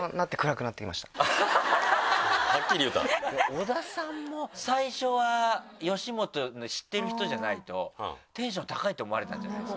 小田さんも最初は吉本の知ってる人じゃないとテンション高いって思われたんじゃないですか？